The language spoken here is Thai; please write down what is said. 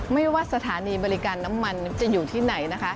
ไม่ว่าสถานีบริการน้ำมันจะอยู่ที่ไหนนะคะ